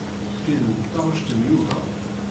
Tin d taɣect n Yuba.